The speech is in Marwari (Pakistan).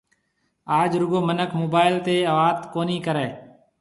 آج رُگو منک موبائل تيَ وات ڪونِي ڪرَي